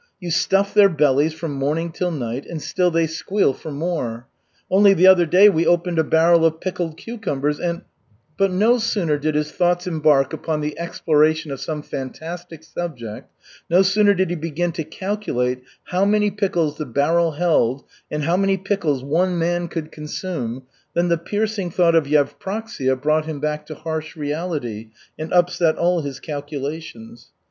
You stuff their bellies from morning till night, and still they squeal for more. Only the other day we opened a barrel of pickled cucumbers, and " But no sooner did his thoughts embark upon the exploration of some fantastic subject, no sooner did he began to calculate how many pickles the barrel held and how many pickles one man could consume, than the piercing thought of Yevpraksia brought him back to harsh reality and upset all his calculations.